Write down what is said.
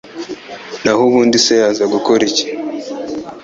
naho ubundi se yaza gukora iki?